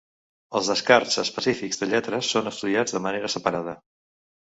Els descarts específics de lletres són estudiats de manera separada.